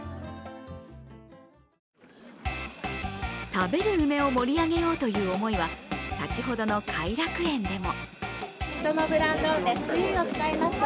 食べる梅を盛り上げようという思いは、先ほどの偕楽園でも。